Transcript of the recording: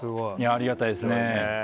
ありがたいですね。